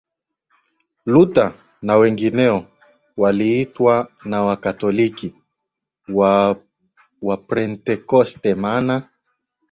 Luther na wengineo waliitwa na Wakatoliki Waprotestanti maana